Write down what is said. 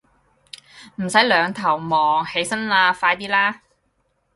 唔使兩頭望，起身啦，快啲啦